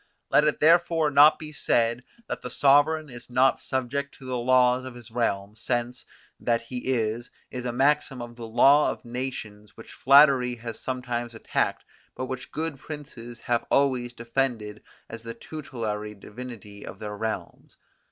"Let it therefore not be said that the sovereign is not subject to the laws of his realm, since, that he is, is a maxim of the law of nations which flattery has sometimes attacked, but which good princes have always defended as the tutelary divinity of their realms.